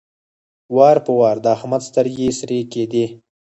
وار په وار د احمد سترګې سرې کېدې.